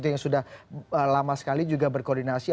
yang sudah lama sekali juga berkoordinasi